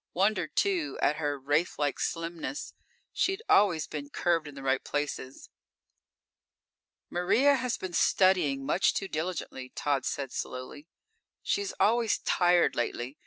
Wondered, too, at her wraithlike slimness. She'd always been curved in the right places. "Maria has been studying much too diligently," Tod said slowly. "She's always tired lately.